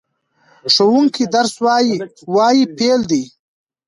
ښوونکی درس وايي – "وايي" فعل دی.